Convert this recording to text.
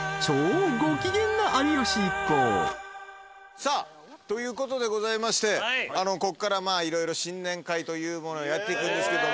さあということでございましてこっから色々新年会というものをやっていくんですけども。